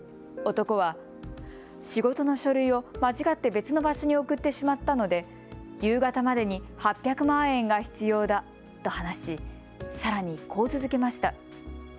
男は仕事の書類を間違って別の場所に送ってしまったので夕方までに８００万円が必要だと話し、さらにこう続けました。